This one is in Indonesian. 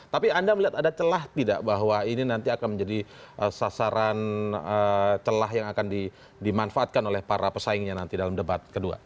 tapi anda melihat ada celah tidak bahwa ini nanti akan menjadi sasaran celah yang akan dimanfaatkan oleh para pesaingnya nanti dalam debat kedua